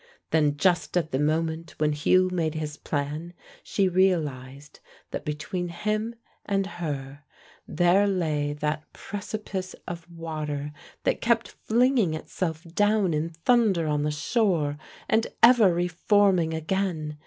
Then, just at the moment when Hugh made his plan, she realized that between him and her there lay that precipice of water that kept flinging itself down in thunder on the shore, and ever re forming again.